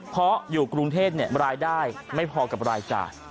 เพราะอยู่กรุงเทพรายได้ไม่พอกับรายจ่าย